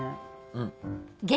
うん。